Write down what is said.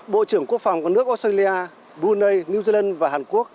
bộ trưởng quốc phòng của nước australia brunei new zealand và hàn quốc